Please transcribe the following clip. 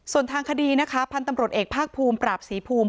ส่วนทางคดีนะคะพันธุ์ตำรวจเอกภาคภูมิปราบศรีภูมิ